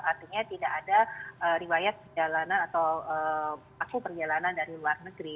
artinya tidak ada riwayat perjalanan atau pasu perjalanan dari luar negeri